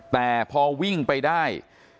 แต่พอวิ่งไปได้